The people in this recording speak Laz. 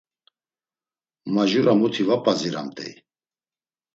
Majura muti va p̌a ziramt̆ey.